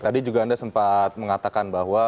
tadi juga anda sempat mengatakan bahwa